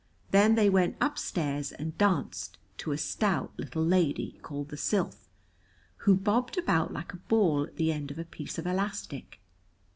Then they went upstairs and danced to a stout little lady, called the Sylph, who bobbed about like a ball at the end of a piece of elastic.